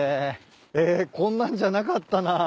えっこんなんじゃなかったな。